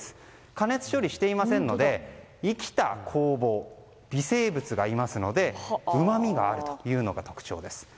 加熱処理していませんので生きた酵母微生物がいますのでうまみがあるというのが特徴です。